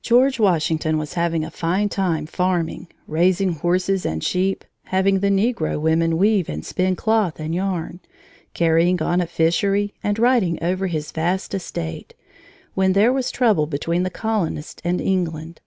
George Washington was having a fine time farming, raising horses and sheep, having the negro women weave and spin cloth and yarn, carrying on a fishery, and riding over his vast estate, when there was trouble between the colonists and England.